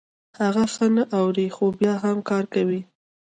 هغه ښه نه اوري خو بيا هم کار کوي.